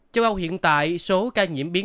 châu âu hiện tại số ca nhiễm biến